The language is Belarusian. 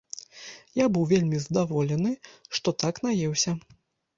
І быў я вельмі здаволены, што так наеўся.